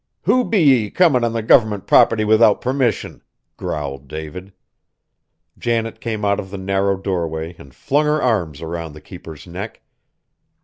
"Who be ye comin' on the government property without permission?" growled David. Janet came out of the narrow doorway and flung her arms around the keeper's neck.